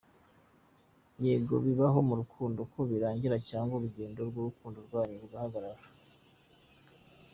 Yego, bibaho mu rukundo ko birangira cyangwa urugendo rw’urukundo rwanyu ruhagarara.